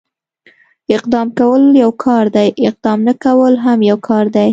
اقدام کول يو کار دی، اقدام نه کول هم يو کار دی.